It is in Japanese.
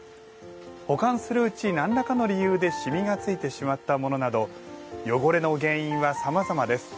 保管するうち何らかの理由で染みがついてしまったものなど汚れの原因は、さまざまです。